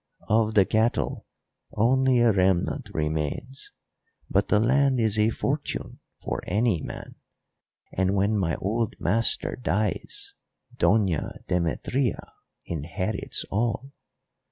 Of the cattle only a remnant remains, but the land is a fortune for any man, and, when my old master dies, Doña Demetria inherits all.